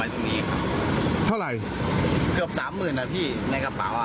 ตรงนี้เท่าไหร่เกือบสามหมื่นอ่ะพี่ในกระเป๋าอ่ะ